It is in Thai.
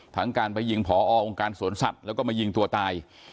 ทั้งการไปยิงผอองค์การสวนสัตว์แล้วก็มายิงตัวตาย